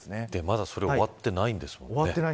まだそれは終わっていないんですもんね。